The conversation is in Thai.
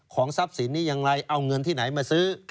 ทรัพย์สินนี้อย่างไรเอาเงินที่ไหนมาซื้อ